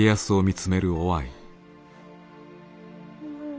うん。